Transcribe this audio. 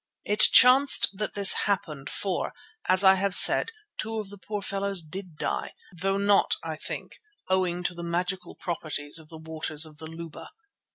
It chanced that this happened, for, as I have said, two of the poor fellows did die, though not, I think, owing to the magical properties of the waters of the Luba.